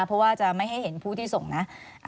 เพราะว่าจะไม่ให้เห็นผู้ที่ส่งนะ